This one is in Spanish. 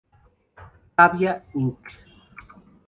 Cavia Inc.